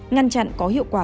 ngăn chặn có hiệu quả